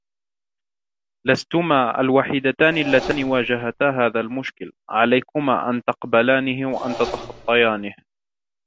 لستما الوحيدتان اللتان واجهتا هذا المشكل ، عليكما أن تقبلانه و أن تتخطيانه.